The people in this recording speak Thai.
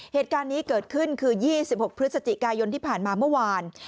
เหตุการณ์นี้เกิดขึ้นคือ๒๖พฤศจิกายนที่ผ่านมาเมื่อวาน